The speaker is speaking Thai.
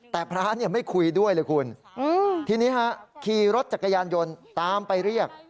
แต่พระเนี่ยไม่คุยด้วยเลยคุณทีนี้ฮะขี่รถจักรยานยนต์ตามไปเรียก